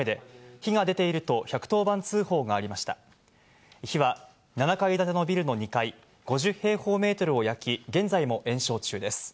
火は７階建てのビルの２階、５０平方メートルを焼き、現在も延焼中です。